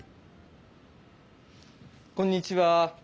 こんにちは。